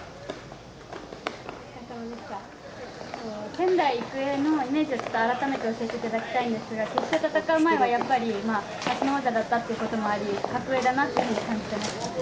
仙台育英のイメージを改めて教えていただきたいんですが、決勝戦う前はやっぱり、夏の王者だったということもあり、格上だったということを感じてましたか。